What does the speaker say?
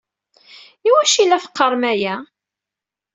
I wacu i la teqqarem aya?